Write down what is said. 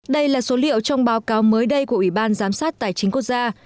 đây là số liệu trong báo cáo mới đây của ủy ban giám sát tài chính quốc gia